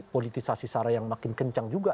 politisasi sara yang makin kencang juga